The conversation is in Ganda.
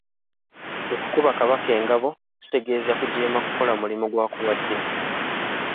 Okukuba Kabaka engabo kitegeeza kujeema kukola mulimu gw’akuwadde.